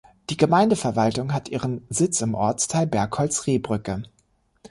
Die Gemeindeverwaltung hat ihren Sitz im Ortsteil Bergholz-Rehbrücke.